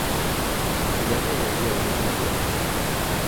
divendres hauria d'anar a Begur.